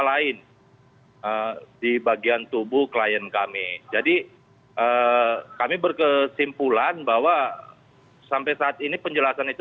lain di bagian tubuh klien kami jadi kami berkesimpulan bahwa sampai saat ini penjelasan itu